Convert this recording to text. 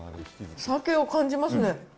鮭を感じますね。